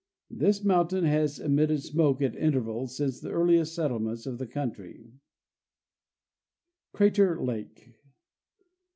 This mountain has emitted smoke at intervals since the earliest settlement of the country. Crater Lake.